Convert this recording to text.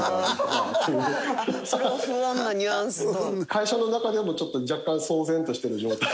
会社の中でもちょっと若干騒然としてる状態。